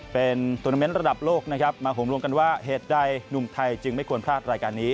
เป็นตัวนาเมนต์ระดับโลกนะครับมาห่มรวมกันว่าเหตุใดหนุ่มไทยจึงไม่ควรพลาดรายการนี้